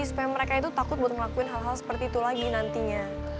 supaya mereka itu takut buat ngelakuin hal hal seperti itu lagi nantinya